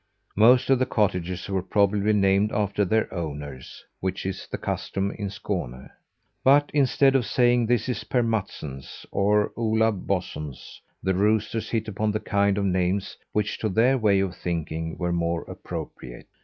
Most of the cottages were probably named after their owners which is the custom in Skåne. But instead of saying this is "Per Matssons," or "Ola Bossons," the roosters hit upon the kind of names which, to their way of thinking, were more appropriate.